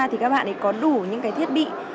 thì các bạn có đủ những cái thiết bị